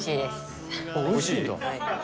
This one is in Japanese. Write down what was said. おいしい？